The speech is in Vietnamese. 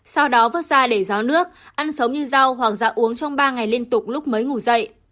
sau đó vớt ra để ráo nước ăn sống như rau hoặc dạo uống trong ba ngày liên tục lúc mới ngủ dậy